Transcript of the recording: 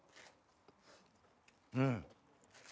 うん。